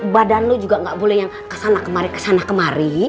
badan lu juga gak boleh yang kesana kemari kesana kemari